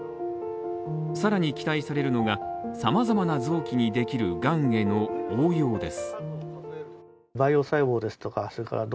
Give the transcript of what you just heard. さらに期待されるのが、様々な臓器にできるがんへの応用です。